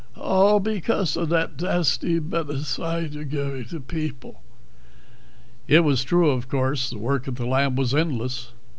"All because of that dasty bedicide you're givig people." It was true, of course. The work at the lab was endless.